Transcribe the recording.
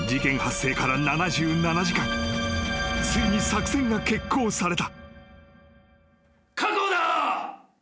［ついに作戦が決行された］